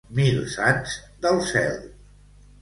Com mil sants del cel.